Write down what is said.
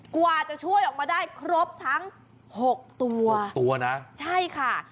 กว่าจะช่วยออกมาได้ครบทั้งหกตัวตัวนะใช่ค่ะ